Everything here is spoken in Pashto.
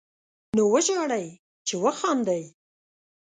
نو وژاړئ، چې وخاندئ